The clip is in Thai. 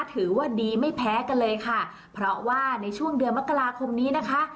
ถือว่าดีไม่แพ้กันเลยค่ะเพราะว่าในช่วงเดือนมกราคมนี้นะคะ